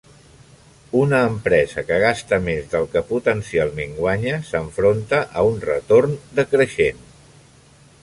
Una empresa que gasta més del que potencialment guanya s'enfronta a un retorn decreixent.